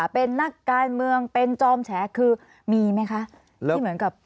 เป็นนักการเมืองเป็นจอมแฉกคือมีไหมคะ